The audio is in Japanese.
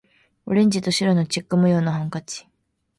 オレンジと白のチェック模様のハンカチ